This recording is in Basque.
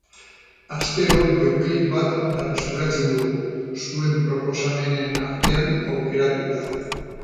Astero bideoklip bat berreskuratzen dugu, zuen proposamenen artean aukeratuta.